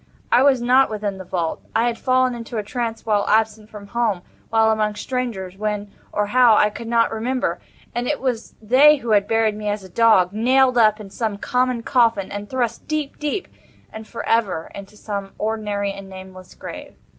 I was not within the vault. I had fallen into a trance while absent from home—while among strangers—when, or how, I could not remember—and it was they who had buried me as a dog—nailed up in some common coffin—and thrust deep, deep, and for ever, into some ordinary and nameless grave.